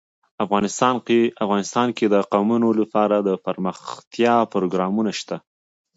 افغانستان کې د قومونه لپاره دپرمختیا پروګرامونه شته.